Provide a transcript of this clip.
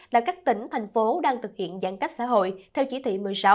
là các tỉnh thành phố đang thực hiện giãn cách xã hội theo chỉ thị một mươi sáu